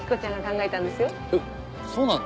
えっそうなの？